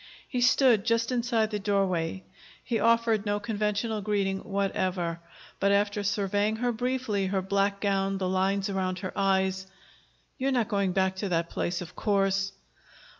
He stood just inside the doorway. He offered no conventional greeting whatever; but, after surveying her briefly, her black gown, the lines around her eyes: "You're not going back to that place, of course?"